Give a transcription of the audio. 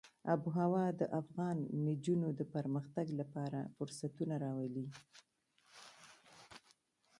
آب وهوا د افغان نجونو د پرمختګ لپاره فرصتونه راولي.